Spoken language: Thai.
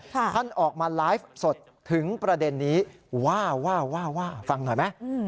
ท่านออกมาไลฟ์สดถึงประเด็นนี้ว่าว่าฟังหน่อยไหม